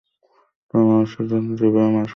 তুমি মানুষের সাথে যেভাবে মেশো, সেটা ভালো লাগে আমার।